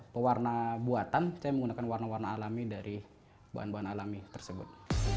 pewarna buatan saya menggunakan warna warna alami dari bahan bahan alami tersebut